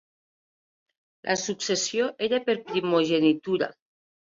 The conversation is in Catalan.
La successió era per primogenitura.